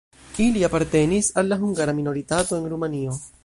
Ili apartenis al la hungara minoritato en Rumanio.